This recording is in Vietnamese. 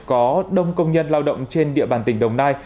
có đông công nhân lao động trên địa bàn tỉnh đồng nai